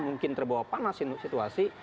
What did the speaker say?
mungkin terbawa panas situasi